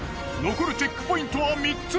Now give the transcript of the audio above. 残るチェックポイントは３つ！